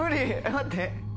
待って。